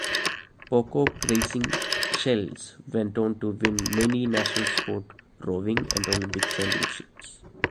Pocock Racing Shells went on to win many national sport rowing and Olympic championships.